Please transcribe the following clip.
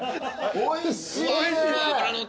おいしいね。